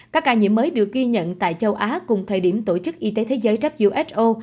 các ca nhiễm mới được ghi nhận tại châu á cùng thời điểm tổ chức y tế thế giới who